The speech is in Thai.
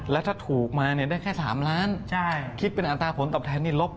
และถ้าถูกมาได้แค่๓ล้านคิดเป็นอันตราผลตอบแทนลบ๙๒๕